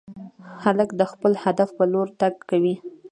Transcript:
هلک د خپل هدف په لور تګ کوي.